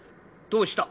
どうした？